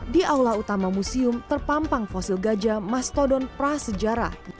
di aula utama museum terpampang fosil gajah mastodon prasejarah